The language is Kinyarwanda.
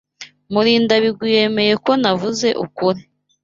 Murindabigwi yemeye ko navuze ukuri.